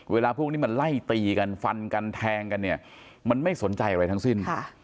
เวลาพวกนี้มันไล่ตีกันฟันกันแทงกันเนี่ยมันไม่สนใจอะไรทั้งสิ้น